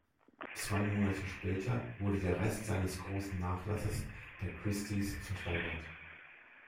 Zwei Monate später wurde der Rest seines großen Nachlasses bei Christie’s versteigert.